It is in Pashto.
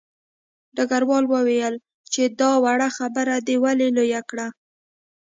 ډګروال وویل چې دا وړه خبره دې ولې لویه کړه